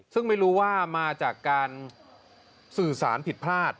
ซึ่งไม่รู้ว่ามาจากการสื่อสารผิดพลาด